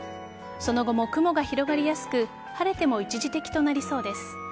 その後も雲が広がりやすく晴れても一時的となりそうです。